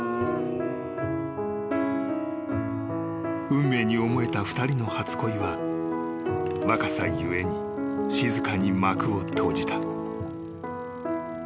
［運命に思えた２人の初恋は若さ故に静かに幕を閉じた］